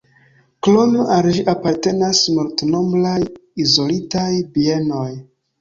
Krome al ĝi apartenas multnombraj izolitaj bienoj.